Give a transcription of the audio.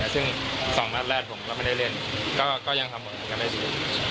ซึ่ง๒นัดแรกผมก็ไม่ได้เล่นก็ยังทำผลงานกันได้ดี